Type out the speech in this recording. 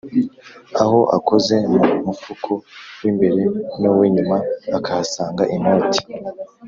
aho akoze mu mufuko w'imbere n'uw’inyuma akahasanga inoti,